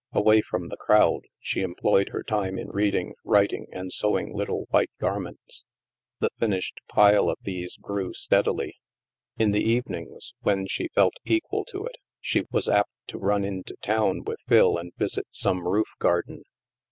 Away from the crowd, she employed her time in reading, writing, and sewing little white garments. The finished pile of these grew steadily. In the evenings, when she felt equal to it, she was apt to run into town with Phil and visit some roof garden.